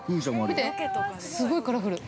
見て、すごいカラフル。